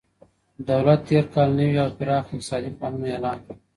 دولت تېر کال نوي او پراخ اقتصادي پلانونه اعلان کړل.